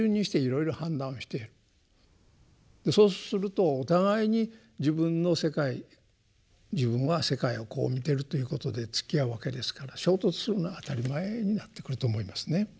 そうするとお互いに自分の世界自分は世界をこう見てるということでつきあうわけですから衝突するのは当たり前になってくると思いますね。